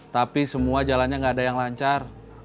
tapi semua jalannya tidak ada yang lancar